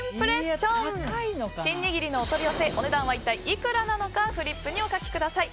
シン握りのお取り寄せお値段は一体いくらなのかフリップにお書きください。